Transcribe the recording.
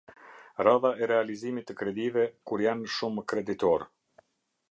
Radha e realizimit të kredive kur janë shumë kreditor.